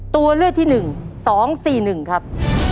ตัวเลือกที่๑๒๔๑ครับ